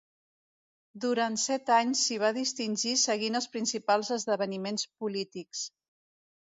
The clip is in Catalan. Durant set anys s'hi va distingir seguint els principals esdeveniments polítics.